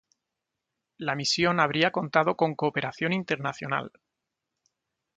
La misión habría contado con cooperación internacional.